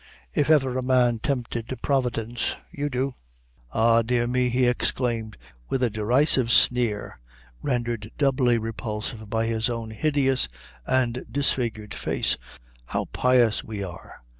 If ever a man tempted Providence you do." "Ah, dear me!" he exclaimed, with a derisive sneer, rendered doubly repulsive by his own hideous and disfigured face, "how pious we are!